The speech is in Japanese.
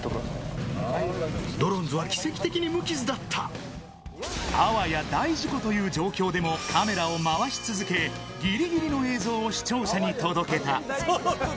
ドロンズは奇跡的に無傷だっあわや大事故という状況でもカメラを回し続け、ぎりぎりの映像を視聴者に届けた。